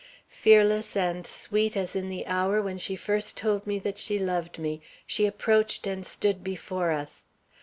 Fearless and sweet as in the hour when she first told me that she loved me, she approached and stood before us.